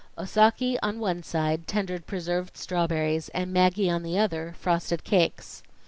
Osaki on one side, tendered preserved strawberries, and Maggie on the other, frosted cakes.